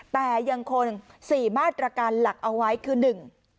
แต่ยังคล๔มาตรการหลักเอาไว้คือ